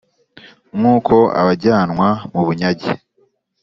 Nk uko abajyanwa mu bunyage